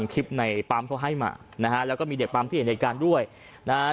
คลิปในปั๊มเขาให้มานะฮะแล้วก็มีเด็กปั๊มที่เห็นเหตุการณ์ด้วยนะฮะ